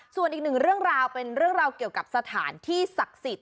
ส่วนอีกหนึ่งเรื่องราวเป็นเรื่องราวเกี่ยวกับสถานที่ศักดิ์สิทธิ